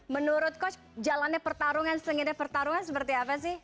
menurut coach jalannya pertarungan seperti apa sih